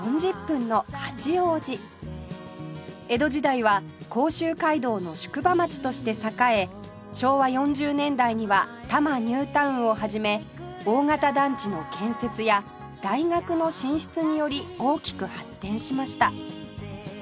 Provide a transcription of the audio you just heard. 江戸時代は甲州街道の宿場町として栄え昭和４０年代には多摩ニュータウンを始め大型団地の建設や大学の進出により大きく発展しました